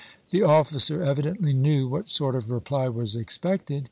The officer evidently knew what sort of reply was expected.